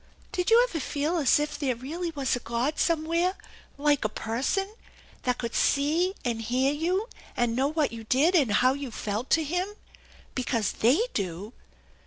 "Did you ever feel as if there really was a God some where, like a person, that could see and hear you and know what you did and how you felt to Him? Because they do.